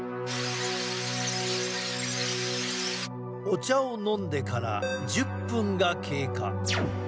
お茶を飲んでから１０分が経過。